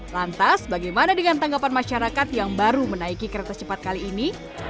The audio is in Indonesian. lantas bagaimana dengan tanggapan masyarakat yang baru menaiki kereta cepat kali ini